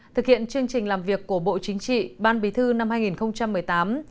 thực hiện chương trình làm việc của bộ chính trị ban bí thư năm hai nghìn một mươi tám